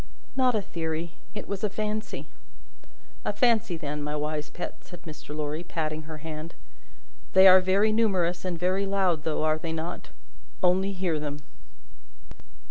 "Not a theory; it was a fancy." "A fancy, then, my wise pet," said Mr. Lorry, patting her hand. "They are very numerous and very loud, though, are they not? Only hear them!"